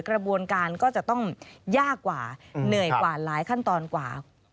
กระบวนการก็จะต้องยากกว่าเหนื่อยกว่าหลายขั้นตอนกว่า